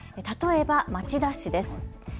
例えば町田市です。